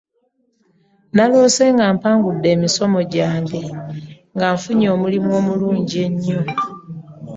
Naloose nga mpangudde emisomo gyange nganfunye omulimu omulungi ennyo.